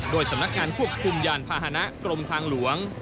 โดยสำนักงานควบคุมยานพาหนะกรมทางหลวง